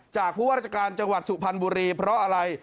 ผู้ว่าราชการจังหวัดสุพรรณบุรีเพราะอะไร